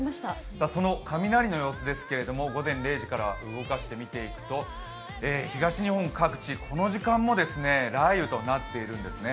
その雷の様子ですが午前０時から動かしていくと東日本各地、この時間も雷雨となっているんですね。